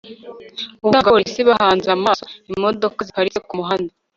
ubusanzwe abapolisi bahanze amaso imodoka ziparitse kumuhanda